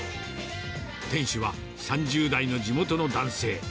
店主は３０代の地元の男性。